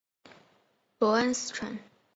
恩格斯城。